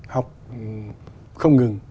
học không ngừng